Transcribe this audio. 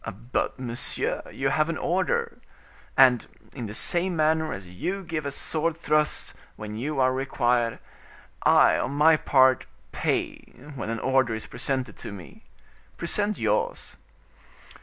"But, monsieur, you have an order. And, in the same manner as you give a sword thrust, when you are required, I, on my part, pay when an order is presented to me. Present yours."